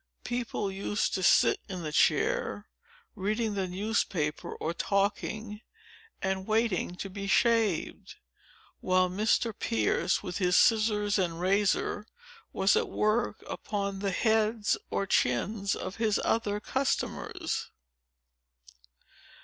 People used to sit in the chair, reading the newspaper or talking, and waiting to be shaved, while Mr. Pierce with his scissors and razor, was at work upon the heads or chins of his other customers."